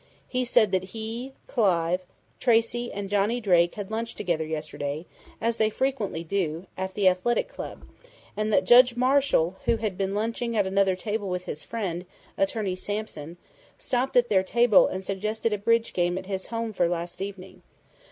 He said that he, Clive, Tracey and Johnny Drake had lunched together yesterday as they frequently do at the Athletic Club, and that Judge Marshall, who had been lunching at another table with his friend, Attorney Sampson, stopped at their table and suggested a bridge game at his home for last night.